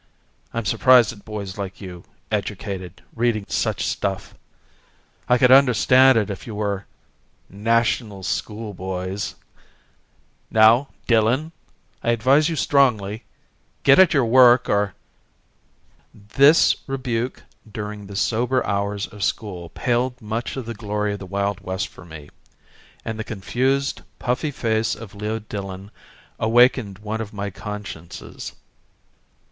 I'm surprised at boys like you, educated, reading such stuff. I could understand it if you were ... National School boys. Now, Dillon, I advise you strongly, get at your work or...." This rebuke during the sober hours of school paled much of the glory of the Wild West for me and the confused puffy face of Leo Dillon awakened one of my consciences.